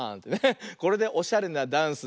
これでおしゃれなダンスだ。